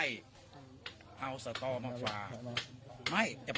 เออน้ำยาอยู่ในตัว